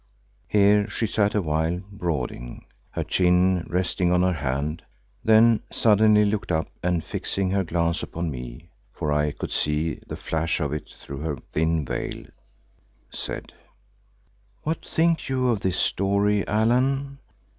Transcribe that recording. Here she sat awhile, brooding, her chin resting on her hand, then suddenly looked up and fixing her glance upon me—for I could see the flash of it through her thin veil—said, "What think you of this story, Allan?